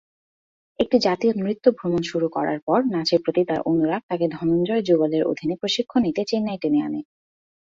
একটি জাতীয় নৃত্য ভ্রমণ শুরু করার পর, নাচের প্রতি তাঁর অনুরাগ তাঁকে ধনঞ্জয় যুগলের অধীনে প্রশিক্ষণ নিতে চেন্নাই টেনে আনে।